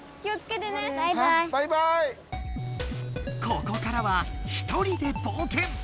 ここからは１人で冒険。